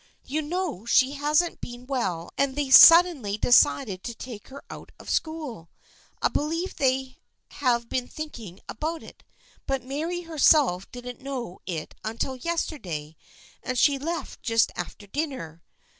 You know she hasn't been well and they suddenly decided to take her out of school. I believe they have been thinking about it, but Mary herself didn't know it until yesterday, and she left just after dinner.